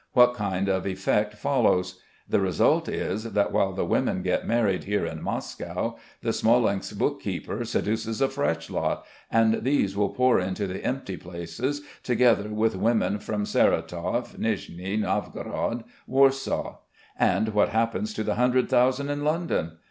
What kind of effect follows? The result is that while the women get married here in Moscow, the Smolensk bookkeeper seduces a fresh lot, and these will pour into the empty places, together with women from Saratov, Nijni Novgorod, Warsaw.... And what happens to the hundred thousand in London?